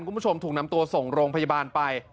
คุณผู้ชมถูกนำตัวส่งโรงพยาบาลไป